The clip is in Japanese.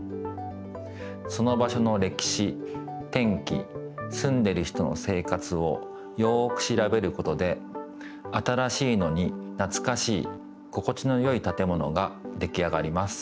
その場しょのれきし天気すんでる人の生活をよくしらべることで新しいのになつかしい心地のよいたてものができあがります。